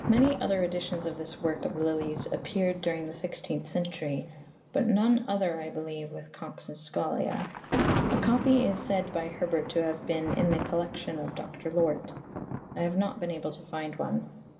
Many other editions of this work of Lilly's appeared during the sixteenth century, but none other, I believe, with Cox's Scholia. A copy is said by Herbert to have been " in the collection of Dr. Lort." I have not been able to find one.